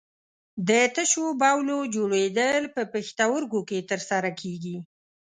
د تشو بولو جوړېدل په پښتورګو کې تر سره کېږي.